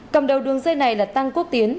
cầm đầu đường dây này là tăng quốc tiến